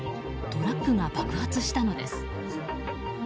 トラックが爆発したのです。